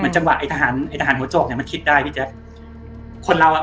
จังหวะไอ้ทหารไอ้ทหารหัวจอบเนี้ยมันคิดได้พี่แจ๊คคนเราอ่ะ